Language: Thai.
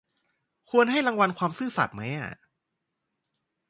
ควรให้รางวัลความซื่อสัตย์ไหมอะ